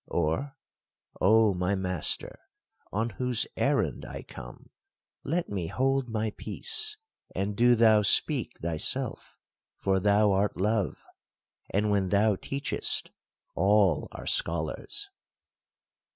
or, " O my Master, on whose errand I come, let me hold my peace, and do thou speak thyself; for thou art love ; and when thou teachest, all are scholars."